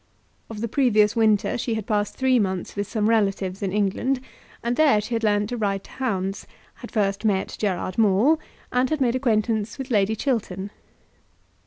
Of the previous winter she had passed three months with some relatives in England, and there she had learned to ride to hounds, had first met Gerard Maule, and had made acquaintance with Lady Chiltern.